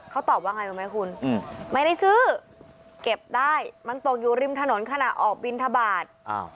เขาตอบว่าไงรู้ไหมคุณไม่ได้ซื้อเก็บได้มันตกอยู่ริมถนนขณะออกบินทบาท